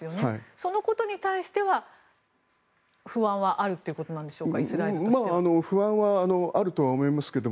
そのことに対しては不安はあるということなんでしょうか。